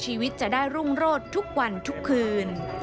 ชีวิตจะได้รุ่งโรดทุกวันทุกคืน